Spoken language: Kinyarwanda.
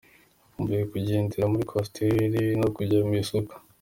Akumbuye kugendera muri Coaster no kujya mu isoko.